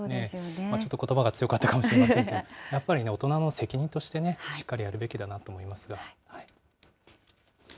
ちょっとことばが強かったかもしれませんが、やっぱり大人の責任としてね、しっかりやるべきだなと思いますが。